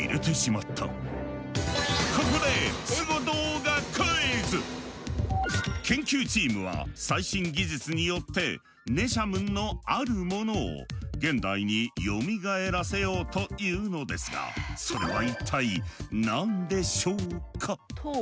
ここで研究チームは最新技術によってネシャムンのあるものを現代に蘇らせようというのですがそれは一体何でしょうか？